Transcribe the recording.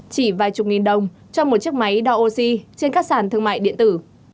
chỉ vài chục nghìn đồng cho một chiếc máy đo oxy trên các sàn thương mại điện tử